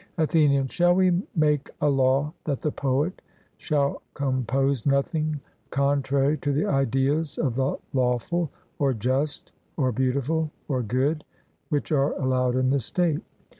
ATHENIAN: Shall we make a law that the poet shall compose nothing contrary to the ideas of the lawful, or just, or beautiful, or good, which are allowed in the state?